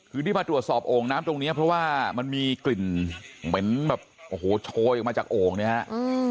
คือที่มาตรวจสอบโอ่งน้ำตรงนี้เพราะว่ามันมีกลิ่นเหม็นแบบโอ้โหโชยออกมาจากโอ่งเนี่ยฮะ